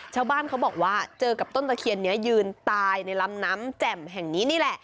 ชาวบ้านเขาบอกว่าเจอกับต้นตะเคียนนี้ยืนตายในลำน้ำแจ่มแห่งนี้นี่แหละ